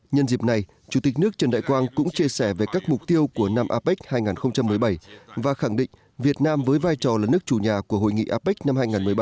nhân dịp này chủ tịch nước trần đại quang cũng chia sẻ về các mục tiêu của năm apec hai nghìn một mươi bảy và khẳng định việt nam với vai trò là nước chủ nhà của hội nghị apec năm hai nghìn một mươi ba